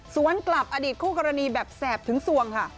กลับอดีตคู่กรณีแบบแสบถึงสวงค่ะ